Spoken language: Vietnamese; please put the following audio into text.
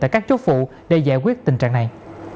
tại các chốt phụ để giải quyết tình trạng này